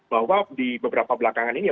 bahwa di beberapa belakangan ini